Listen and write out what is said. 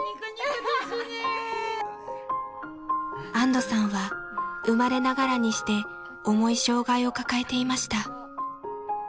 ［安土さんは生まれながらにして重い障害を抱えていました］